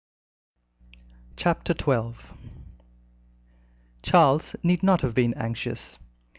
Chapter 12 Charles need not have been anxious.